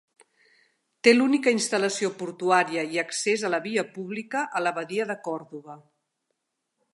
Té l'única instal·lació portuària i accés a la via pública a la badia de Còrdova.